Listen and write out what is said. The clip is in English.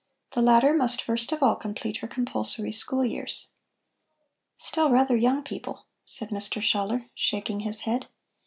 The latter must first of all complete her compulsory school years." "Still rather young people," said Mr. Schaller, shaking his head.